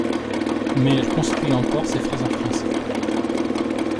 Mais elle construit encore ses phrases en français.